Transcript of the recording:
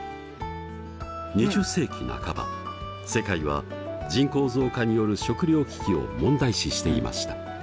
２０世紀半ば世界は人口増加による食糧危機を問題視していました。